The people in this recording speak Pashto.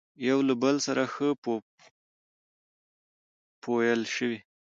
يوه له بل سره ښه پويل شوي،